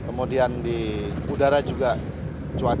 kemudian di udara juga ini juga ada cuaca unik